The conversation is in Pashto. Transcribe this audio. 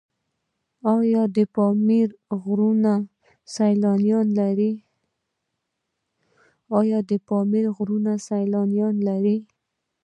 آیا د پامیر غرونه سیلانیان لري؟